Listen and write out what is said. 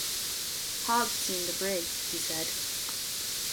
"Hob's seen the brig," he said.